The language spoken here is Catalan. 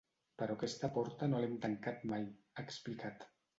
Però aquesta porta no l’hem tancat mai, ha explicat.